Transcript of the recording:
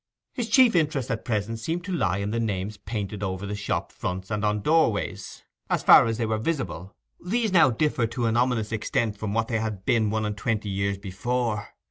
His chief interest at present seemed to lie in the names painted over the shop fronts and on door ways, as far as they were visible; these now differed to an ominous extent from what they had been one and twenty years before.